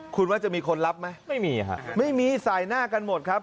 คุณว่าจะมีคนรับไหมไม่มีฮะไม่มีสายหน้ากันหมดครับ